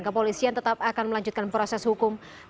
kepolisian tetap akan melanjutkan proses hukum